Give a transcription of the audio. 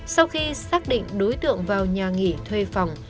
sau khi xác định đối tượng vào nhà nghỉ thuê phòng